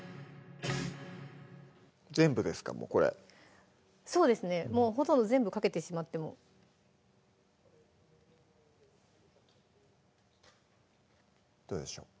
全部ですかもうこれそうですねもうほとんど全部かけてしまってもどうでしょう？